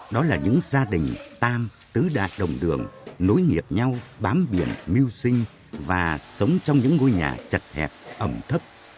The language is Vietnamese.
đó là những gia đình tam tứ đại đồng đường nối nghiệp nhau bám biển mưu sinh và sống trong những ngôi nhà chật hẹp ẩm thấp